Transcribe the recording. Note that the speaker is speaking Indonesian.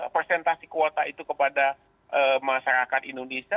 presentasi kuota itu kepada masyarakat indonesia